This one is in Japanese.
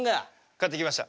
買ってきました。